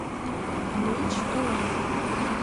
— Ыльыч, туван.